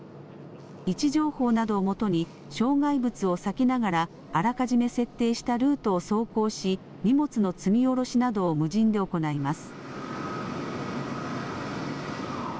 位置情報などをもとに障害物を避けながら、あらかじめ設定したルートを走行し荷物の積み降ろしなどを無人で行います。